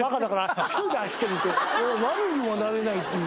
ワルにもなれないっていう。